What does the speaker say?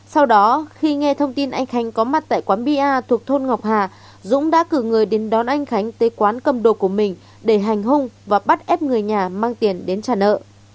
sau đó khi nghe thông tin anh khánh có mặt tại quán bia thuộc thôn ngọc hà dũng đã cử người đến đón anh khánh tới quán cầm đồ của mình để hành hung và bắt ép người nhà mang tiền đến trả nợ